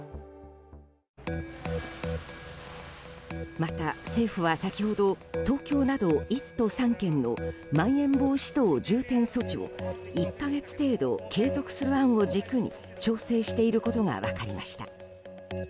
また政府は先ほど東京など１都３県のまん延防止等重点措置を１か月程度継続する案を軸に調整していることが分かりました。